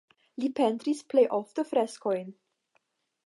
Li pentris plej ofte freskojn.